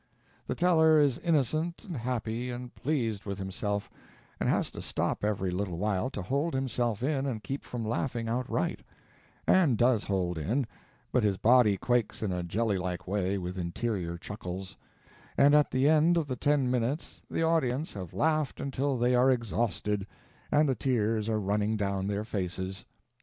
The teller is innocent and happy and pleased with himself, and has to stop every little while to hold himself in and keep from laughing outright; and does hold in, but his body quakes in a jelly like way with interior chuckles; and at the end of the ten minutes the audience have laughed until they are exhausted, and the tears are running down their faces.